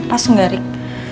lepas gak rick